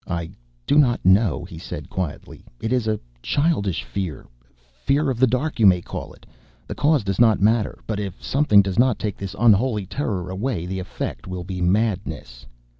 "I do not know," he said quietly. "It is a childish fear fear of the dark, you may call it. The cause does not matter; but if something does not take this unholy terror away, the effect will be madness."